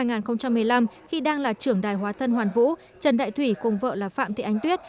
năm hai nghìn một mươi năm khi đang là trưởng đài hóa thân hoàn vũ trần đại thủy cùng vợ là phạm thị ánh tuyết